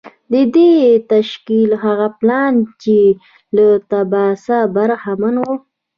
د دې تشکیل هغه پلان چې له ثباته برخمن و